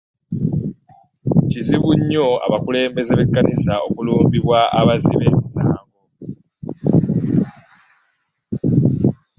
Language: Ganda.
Kizibu nnyo abakulembeze b'ekkanisa okulumbibwa abazzi b'emisango.